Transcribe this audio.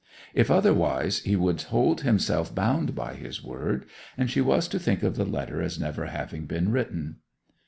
If otherwise, he would hold himself bound by his word, and she was to think of the letter as never having been written.